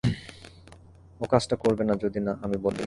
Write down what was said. ও কাজটা করবে না যদি না আমি বলি।